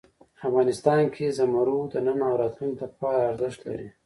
افغانستان کې زمرد د نن او راتلونکي لپاره ارزښت لري.